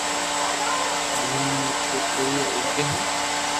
وڻ تي تو ڪوئي اوگي ھي